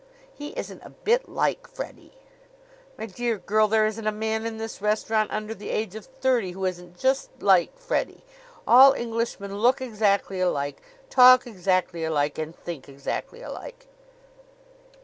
"He isn't a bit like Freddie." "My dear girl, there isn't a man in this restaurant under the age of thirty who isn't just like Freddie. All Englishmen look exactly alike, talk exactly alike, and think exactly alike."